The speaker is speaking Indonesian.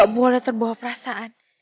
kamu nggak boleh terbawa perasaan